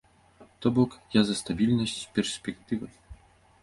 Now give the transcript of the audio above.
То бок, я за стабільнасць з перспектывай!